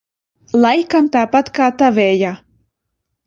Laikam tāpat kā tavējā?